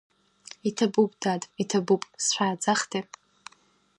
Иҭабуп дад, иҭабуп, сшәааӡахтеи…